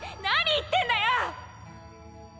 何言ってんだよ！